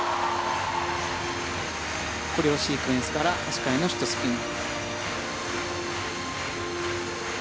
コレオシークエンスから足換えのシットスピン。